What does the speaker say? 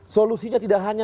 solusinya tidak hanya